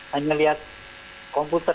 hanya lihat komputer